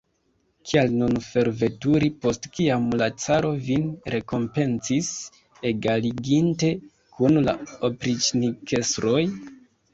Kial nun forveturi, post kiam la caro vin rekompencis, egaliginte kun la opriĉnikestroj?